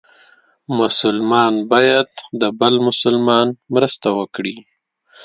مسلمان باید د بل مسلمان مرسته وکړي.